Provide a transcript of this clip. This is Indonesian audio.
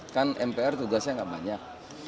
kan mpr tugasnya nggak banyak